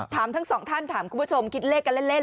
ทั้งสองท่านถามคุณผู้ชมคิดเลขกันเล่น